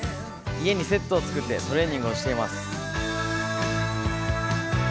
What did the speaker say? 家にセットを作ってトレーニングをしています。